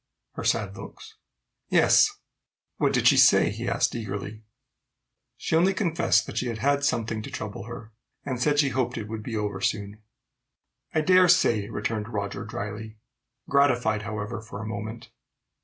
"Her sad looks?" "Yes." "What did she say?" he asked eagerly. "She only confessed she had had something to trouble her, and said she hoped it would be over soon." "I dare say!" returned Roger dryly, looking gratified, however, for a moment.